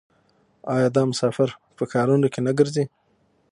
آیا دا مسافر په ښارونو کې نه ګرځي؟